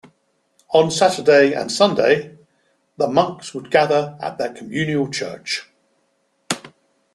On Saturday and Sunday, the monks would gather at their communal church.